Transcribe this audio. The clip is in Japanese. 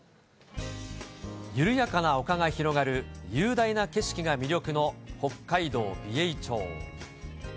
緩やかな丘が広がる、雄大な景色が魅力の北海道美瑛町。